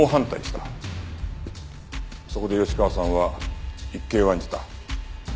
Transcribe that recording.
そこで吉川さんは一計を案じた。